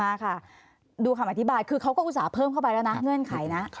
มาค่ะดูคำอธิบายคือเขาก็อุตส่าห์เพิ่มเข้าไปแล้วนะเงื่อนไขนะ